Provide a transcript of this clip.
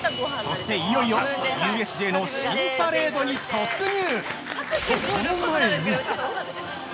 ◆そして、いよいよＵＳＪの新パレードに突入！